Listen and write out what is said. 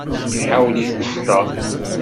Iḥawel-itent Tom.